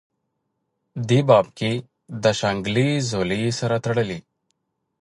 دې باب کې دَشانګلې ضلعې سره تړلي